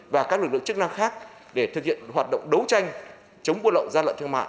và các lực lượng chức năng khác để thực hiện hoạt động đấu tranh chống buôn lậu gian lận thương mại